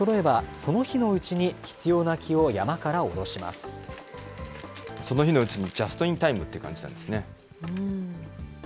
その日のうちに、ジャストインタイムっていう感じなんですね。